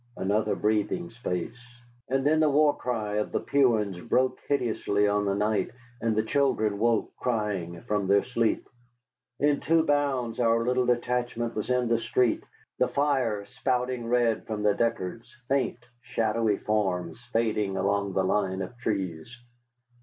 Another breathing space, and then the war cry of the Puans broke hideously on the night, and children woke, crying, from their sleep. In two bounds our little detachment was in the street, the fire spouting red from the Deckards, faint, shadowy forms fading along the line of trees.